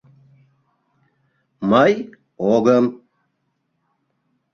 — Мый — огым.